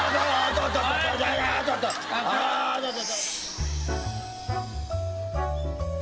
どうぞ。